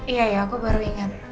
iya ya aku baru ingat